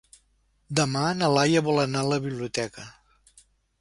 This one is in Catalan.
Demà na Laia vol anar a la biblioteca.